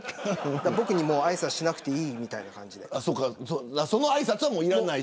僕にあいさつしなくていいみたいな感じで。